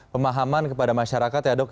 pemahaman kepada masyarakat ya dok